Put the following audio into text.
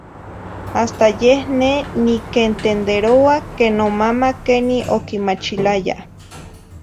Hasta yeh neh niquentenderoa que nomama queni oquimachilaya